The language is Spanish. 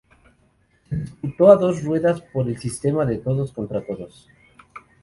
Se disputó a dos ruedas, por el sistema de todos contra todos.